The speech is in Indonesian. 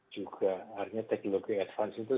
juga artinya teknologi advance itu